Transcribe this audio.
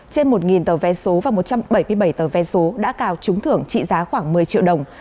trên một tờ vé số và một trăm bảy mươi bảy tờ vé số đã cào trúng thưởng trị giá khoảng một mươi triệu đồng